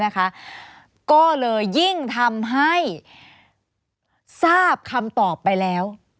ก็เลยยิ่งทำให้ทราบคำตอบไปแล้ว